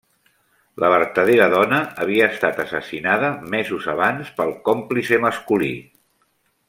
La vertadera dona havia estat assassinada mesos abans pel còmplice masculí.